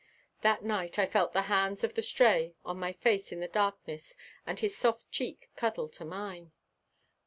That night I felt the hands of the Stray on my face in the darkness and his soft cheek cuddle to mine.